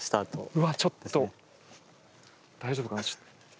うわちょっと大丈夫かな？